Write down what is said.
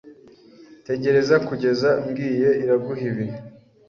Tegereza kugeza mbwiye Iraguha ibi.